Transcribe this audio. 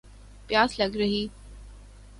پیاس لَگ رہی